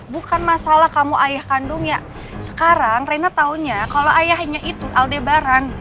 bukan masalah kamu ayah kandungnya sekarang rena taunya kalau ayahnya itu aldebaran